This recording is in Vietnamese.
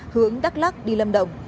hướng đắk lắc đi lâm đồng